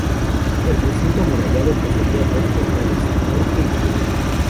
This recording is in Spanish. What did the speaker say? El recinto amurallado poseía dos portales, norte y sur.